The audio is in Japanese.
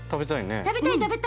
食べたいね。